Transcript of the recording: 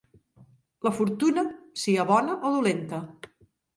La fortuna, sia bona o dolenta.